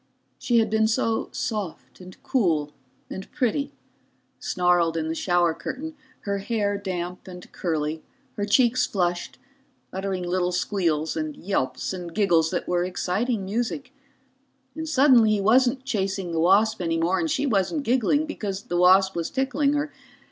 She had been so soft and cool and pretty, snarled in the shower curtain, her hair damp and curly, her cheeks flushed, uttering little squeals and yelps and giggles that were exciting music, and suddenly he wasn't chasing the wasp any more and she wasn't giggling because the wasp was tickling her.